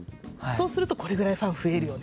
そうするとこれぐらいファン増えるよねとか。